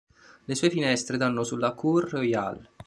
Le sue finestre danno sulla Cour Royale.